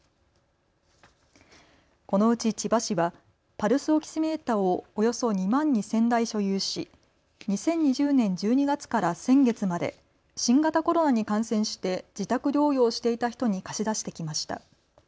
このうち千葉市はパルスオキシメーターをおよそ２万２０００台所有し２０２０年１２月から先月まで新型コロナに感染して自宅療養をしていた人に貸し出してきました。